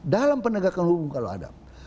dalam penegakan hukum kalau ada